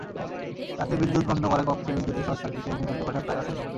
রাতে বিদ্যুৎ বন্ধ করা কক্ষে বিদ্যুতের শর্টসার্কিটে অগ্নিকাণ্ড ঘটা প্রায় অসম্ভব।